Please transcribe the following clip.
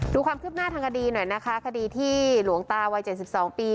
ดูความคืบหน้าทางคดีหน่อยนะคะคดีที่หลวงตาวัย๗๒ปี